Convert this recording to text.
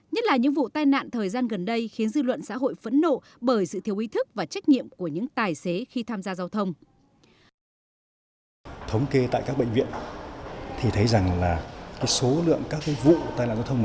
nhất là những vụ tai nạn thời gian gần đây khiến dư luận xã hội phẫn nộ bởi sự thiếu ý thức và trách nhiệm của những tài xế khi tham gia giao thông